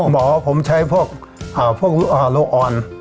บอกว่าผมใช้พวกโรคอ่อน